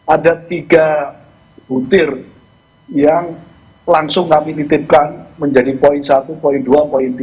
ada tiga butir yang langsung kami titipkan menjadi poin satu dua tiga